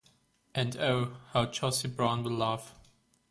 And oh, how Josie Browne will laugh!